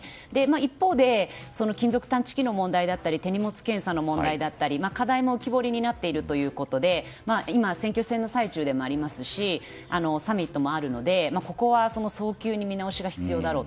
一方で金属探知機の問題だったり手荷物検査の問題だったり課題も浮き彫りになっているということで今、選挙戦の最中でもありますしサミットもあるのでここは早急に見直しが必要だろう。